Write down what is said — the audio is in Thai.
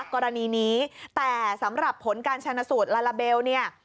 กรณีนี้แต่สำหรับผลการชนะสูตรลาลาเบลเนี่ย